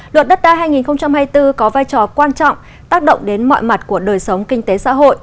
luật đất đai hai nghìn hai mươi bốn có vai trò quan trọng tác động đến mọi mặt của đời sống kinh tế xã hội